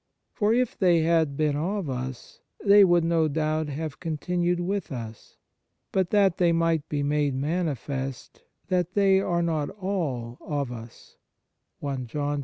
For if they had been of us, they would no doubt have continued with us : but that they might be made manifest that they are not all of us " (i John ii.).